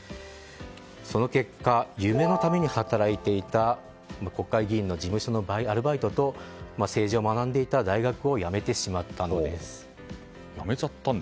その結果夢のために働いていた国会議員の事務所のアルバイトと政治を学んでいた大学をやめてしまったんです。